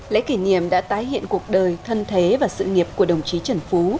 lễ kỷ niệm đã tái hiện cuộc đời thân thế và sự nghiệp của đồng chí trần phú